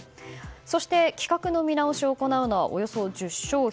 そして、規格の見直しを行うのはおよそ１０商品。